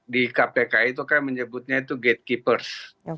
di kpk itu kan menyebutnya itu gatekeepers